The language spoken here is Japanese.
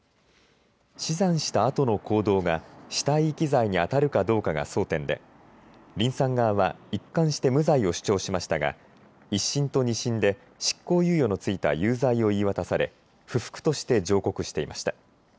死産したあとの行動が死体遺棄罪にあたるかどうかが争点でリンさん側は一貫して無罪を主張しましたが１審と２審で執行猶予の付いた有罪を言い渡され不服として上告していました。